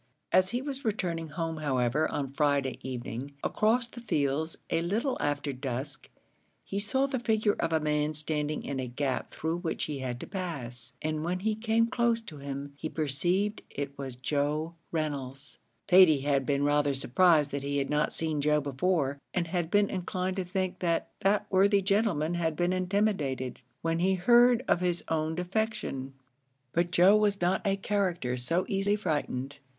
As he was returning home, however, on Friday evening, across the fields, a little after dusk, he saw the figure of a man standing in a gap through which he had to pass, and when he came close to him, he perceived it was Joe Reynolds. Thady had been rather surprised that he had not seen Joe before, and had been inclined to think that that worthy gentleman had been intimidated, when he heard of his own defection; but Joe was not a character so easily frightened.